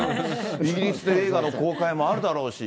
イギリスで映画の公開もあるだろうし。